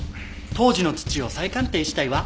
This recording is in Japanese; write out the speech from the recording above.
「当時の土を再鑑定したいわ！」